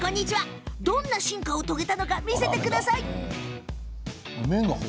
どんな進化を遂げたのか見せてください！